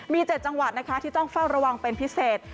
มี๗จังหวัดที่ต้องฟังระวังเป็นพิเศษ